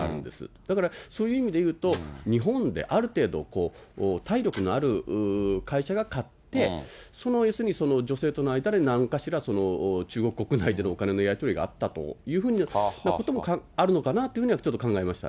だからそういう意味でいうと、日本である程度、体力のある会社が買って、その女性との間でなんかしら中国国内でのお金のやり取りがあったというふうなこともあるのかなというふうにはちょっと考えました